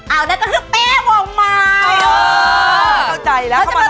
อ้าวนั่นก็คือเป้วงไม